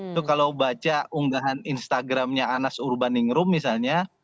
itu kalau baca unggahan instagramnya anas urbaningrum misalnya